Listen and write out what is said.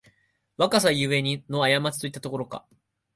若さゆえのあやまちといったところか